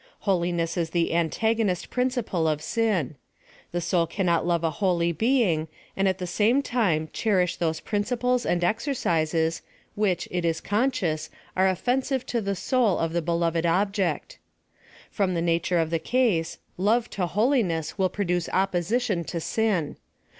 Holiness is the antag onist principle of sin. The soul cannot love a holy being, and at the same time cherish those principles and exercises, which, it is conscious, are offensive to the soul of the beloved object. From the nature of the case, love to holiness will produce opposi tion to sin.